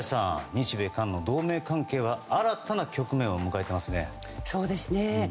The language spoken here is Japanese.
日米間の同盟強化は新たな局面を迎えていますね。